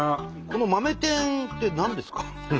この豆天って何ですか？